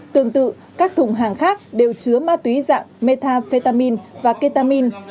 tương tự các thùng hàng khác đều chứa ma túy dạng methamphetamine và ketamine